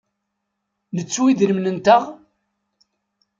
Nettu idrimen-nteɣ?